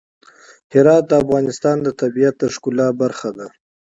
هرات د افغانستان د طبیعت د ښکلا برخه ده.